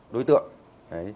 đối tượng đình